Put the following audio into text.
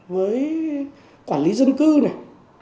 với quản lý dân cư này